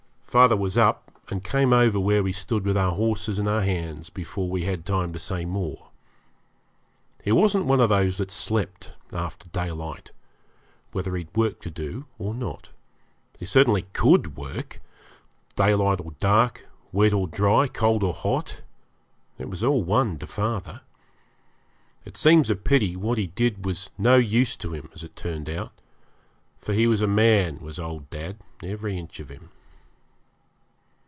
Father was up, and came over where we stood with our horses in our hands before we had time to say more. He wasn't one of those that slept after daylight, whether he had work to do or not. He certainly COULD work; daylight or dark, wet or dry, cold or hot, it was all one to father. It seems a pity what he did was no use to him, as it turned out; for he was a man, was old dad, every inch of him.